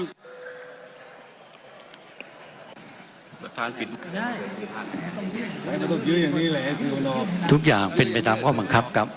ประธานผิดอย่างนี้เลยทุกอย่างเป็นไปตามข้อบังคับครับ